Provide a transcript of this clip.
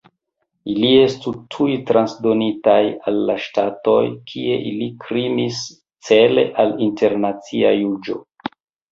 Ili estu tuj transdonitaj al la ŝtatoj, kie ili krimis, cele al internacia juĝo.